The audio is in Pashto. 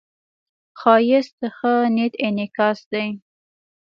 ښایست د ښه نیت انعکاس دی